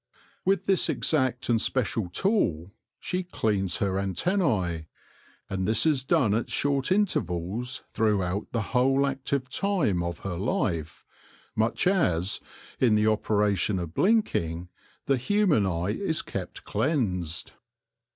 With this exact and special tool she cleans her antennae, and this is done at short intervals throughout the whole active time of her life, much as, in the operation of blinking, the human eye is kept cleansed.